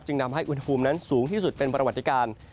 นำให้อุณหภูมินั้นสูงที่สุดเป็นประวัติการ